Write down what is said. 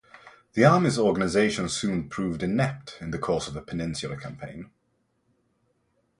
The Army's organization soon proved inept in the course of the Peninsula Campaign.